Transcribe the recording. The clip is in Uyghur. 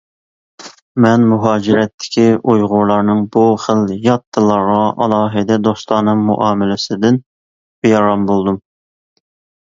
مەن مۇھاجىرەتتىكى ئۇيغۇرلارنىڭ بۇ خىل يات تىللارغا ئالاھىدە دوستانە مۇئامىلىسىدىن بىئارام بولدۇم.